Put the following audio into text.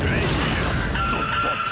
おっとっとっと。